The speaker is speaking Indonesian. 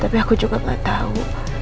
tapi aku juga gak tahu